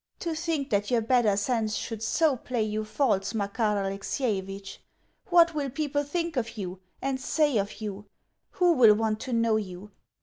To think that your better sense should so play you false, Makar Alexievitch! What will people think of you, and say of you? Who will want to know you?